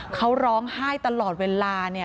เขาร้องไห้ตลอดเวลาเนี่ย